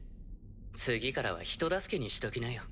次からは人助けにしときなよ。